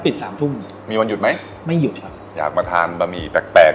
สามทุ่มมีวันหยุดไหมไม่หยุดครับอยากมาทานบะหมี่แปลกแปลก